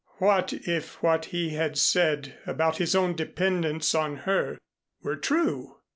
"What if what he had said about his own dependence on her were true?"